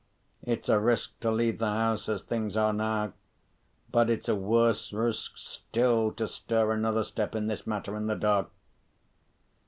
It's a risk to leave the house, as things are now—but it's a worse risk still to stir another step in this matter in the dark.